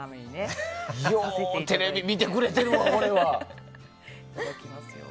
ようテレビ見てくれてるわこれは。